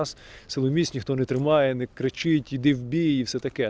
mereka tidak menerima pemerintah tidak berkata kata